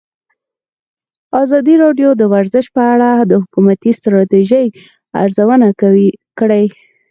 ازادي راډیو د ورزش په اړه د حکومتي ستراتیژۍ ارزونه کړې.